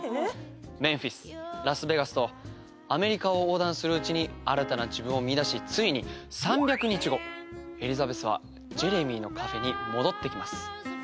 メンフィスラスベガスとアメリカを横断するうちに新たな自分を見いだしついに３００日後エリザベスはジェレミーのカフェに戻ってきます。